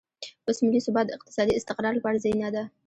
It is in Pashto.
اوس ملي ثبات د اقتصادي استقرار لپاره زینه ده.